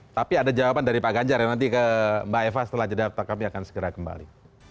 tapi ada jawaban dari pak ganjar ya nanti ke mbak eva setelah jeda tetap kami akan segera kembali